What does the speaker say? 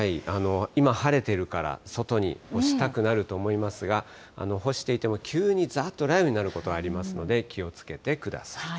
今、晴れているから外に干したくなると思いますが、干していても急にざーっと雷雨になることありますので、気をつけてください。